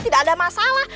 tidak ada masalah